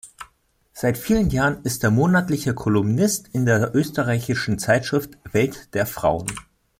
Seit vielen Jahren ist er monatlicher Kolumnist in der österreichischen Zeitschrift Welt der Frauen.